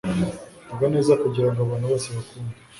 Vuga neza kugirango abantu bose bakwumve